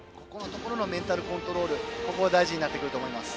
後半のメンタルコントロールが大事になると思います。